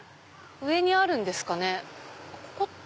上にあるんですかね？